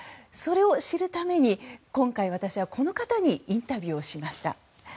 それを知るために今回、私はこの方にインタビューをしました。